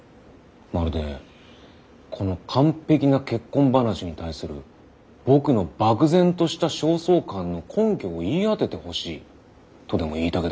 まるで「この完璧な結婚話に対する僕の漠然とした焦燥感の根拠を言い当ててほしい」とでも言いたげだな。